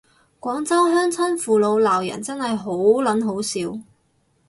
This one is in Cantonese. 廣州鄉親父老鬧人真係好嗱好笑